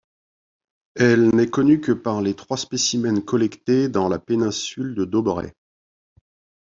Elle n'est connue que par les trois spécimens collectés dans la péninsule de Doberai.